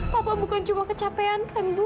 papa bukan cuma kecapean kan bu